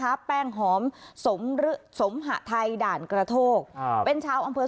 และแบบแป้งหอมสมหาไทยด่านกระโทกเป็นเช้าอำเภอสูงเนิน